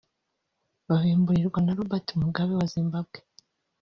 babimburirwa na Robert Mugabe wa Zimbabwe